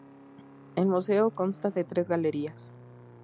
El museo consta de tres galerías.